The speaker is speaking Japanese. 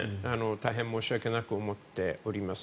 大変申し訳なく思っております。